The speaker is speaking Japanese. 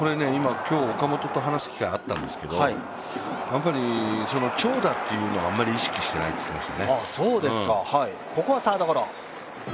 今日、岡本と話す機会があったんですけど、長打というのは、あまり意識していないと言ってましたね。